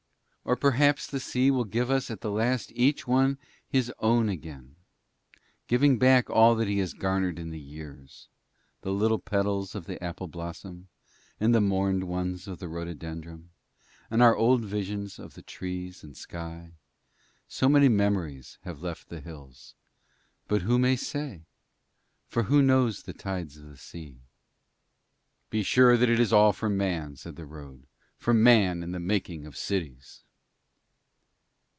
Or perhaps the sea will give us at the last unto each one his own again, giving back all that he has garnered in the years the little petals of the apple blossom and the mourned ones of the rhododendron, and our old visions of the trees and sky; so many memories have left the hills. But who may say? For who knows the tides of the sea?' 'Be sure that it is all for Man,' said the road. 'For Man and the making of cities.'